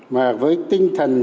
mà với tinh thần